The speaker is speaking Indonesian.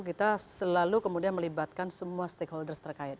kita selalu kemudian melibatkan semua stakeholders terkait